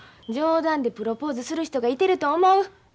冗談でプロポーズする人がいてると思う？